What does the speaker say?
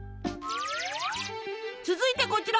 続いてこちら。